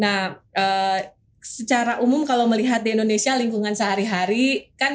nah secara umum kalau melihat di indonesia lingkungan sehari hari kan